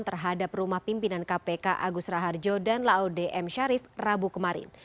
terhadap rumah pimpinan kpk agus raharjo dan laude m sharif rabu kemarin